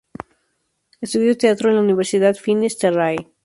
Estudió teatro en la Universidad Finis Terrae.